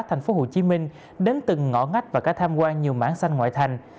thành phố hồ chí minh đến từng ngõ ngách và cả tham quan nhiều mảng xanh ngoại thành